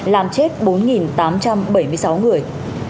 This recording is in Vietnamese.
làm chết bốn tám trăm bảy mươi sáu người